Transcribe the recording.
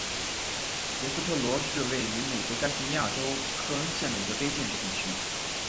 杰斯特罗是位于美国加利福尼亚州克恩县的一个非建制地区。